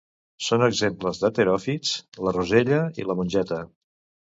Són exemples de teròfits la rosella i la mongeta.